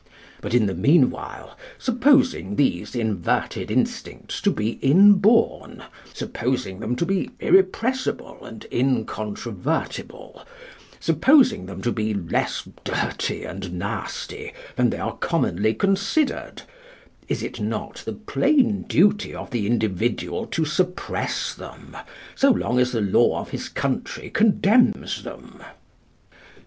But, in the meanwhile, supposing these inverted instincts to be inborn, supposing them to be irrepressible and inconvertible, supposing them to be less dirty and nasty than they are commonly considered, is it not the plain duty of the individual to suppress them, so long as the law of his country condemns them?"